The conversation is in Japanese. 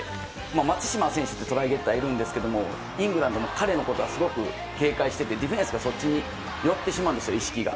松島選手というトライゲッターがいるんですがイングランドも彼のことはすごく警戒していてディフェンスがそっちに寄ってしまうんです、意識が。